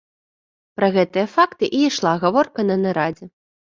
Пра гэтыя факты і ішла гаворка на нарадзе.